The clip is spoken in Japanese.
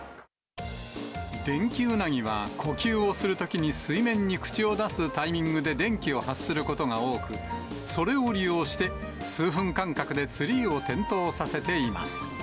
デンキウナギは、呼吸をするときに水面に口を出すタイミングで電気を発することが多く、それを利用して、数分間隔でツリーを点灯させています。